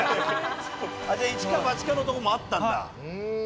じゃあイチかバチかのとこもあったんだ。